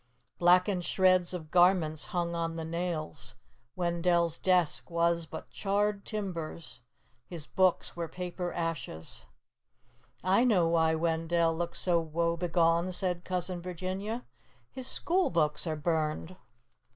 Blackened shreds of garments hung on the nails. Wendell's desk was but charred timbers. His books were paper ashes. "I know why Wendell looks so woe begone!" said Cousin Virginia. "His school books are burned."